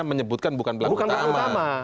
menyebutkan bukan pelaku utama